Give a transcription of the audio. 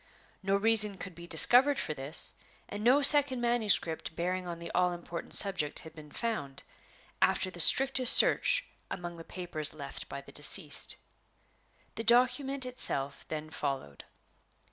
No reason could be discovered for this, and no second manuscript bearing on the all important subject had been found, after the strictest search among the papers left by the deceased. The document itself then followed.